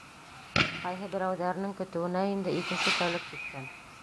Ҡайһы берәүҙәренең көтөүенә инде икенсе тәүлек киткән.